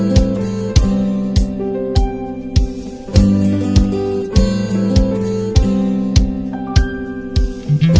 mama belum keramas kembutnya bau